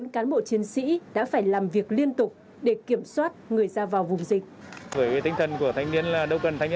bốn cán bộ chiến sĩ đã phải làm việc liên tục để kiểm soát người ra vào vùng dịch